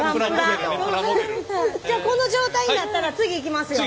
じゃあこの状態になったら次行きますよ。